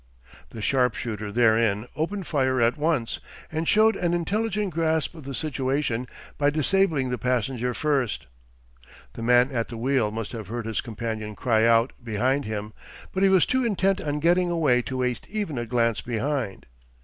The sharpshooter therein opened fire at once, and showed an intelligent grasp of the situation by disabling the passenger first. The man at the wheel must have heard his companion cry out behind him, but he was too intent on getting away to waste even a glance behind.